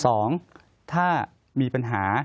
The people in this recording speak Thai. สองถ้ามีปัญหา